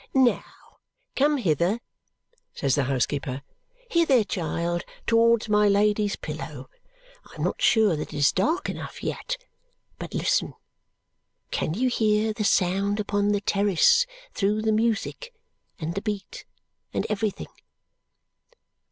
"Now, come hither," says the housekeeper. "Hither, child, towards my Lady's pillow. I am not sure that it is dark enough yet, but listen! Can you hear the sound upon the terrace, through the music, and the beat, and everything?"